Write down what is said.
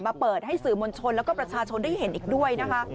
เปิดให้สื่อมวลชนแล้วก็ประชาชนได้เห็นอีกด้วยนะคะ